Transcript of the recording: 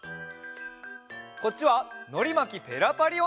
こっちは「のりまきペラパリおんど」のえ！